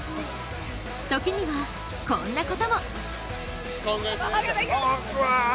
時にはこんなことも。